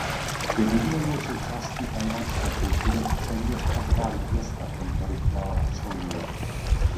Je nedílnou součástí tchajwanské kultury a téměř každá nevěsta tento rituál absolvuje.